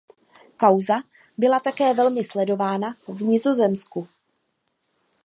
Kauza byla také velmi sledována v Nizozemsku.